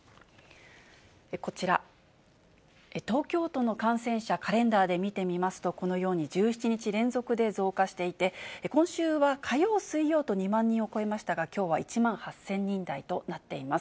こちら、東京都の感染者、カレンダーで見てみますと、このように１７日連続で増加していて、今週は火曜、水曜と２万人を超えましたが、きょうは１万８０００人台となっています。